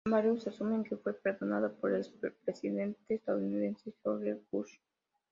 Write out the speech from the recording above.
Varios asumen que fue perdonado por el expresidente estadounidense George Bush.